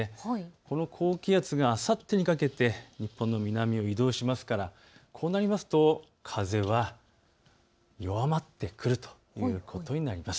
この高気圧があさってにかけて日本の南を移動しますからこうなりますと風は弱まってくるということになります。